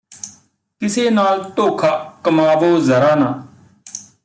ਕਿਸੇ ਨਾਲ ਧੋਖਾ ਕਮਾਵੋ ਜ਼ਰਾ ਨਾ